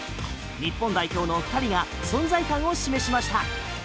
日本代表の２人が存在感を示しました。